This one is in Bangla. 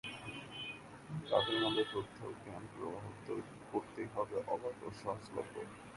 তাদের মতে, তথ্য ও জ্ঞানের প্রবাহকে করতে হবে অবাধ ও সহজলভ্য।